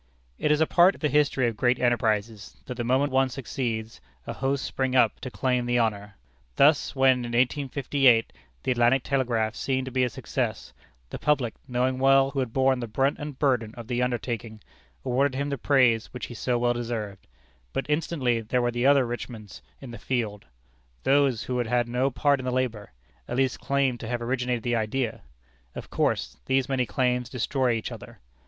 It is a part of the history of great enterprises, that the moment one succeeds, a host spring up to claim the honor. Thus when, in 1858, the Atlantic Telegraph seemed to be a success, the public, knowing well who had borne the brunt and burden of the undertaking, awarded him the praise which he so well deserved; but instantly there were other Richmonds in the field. Those who had had no part in the labor, at least claimed to have originated the idea! Of course, these many claims destroy each other.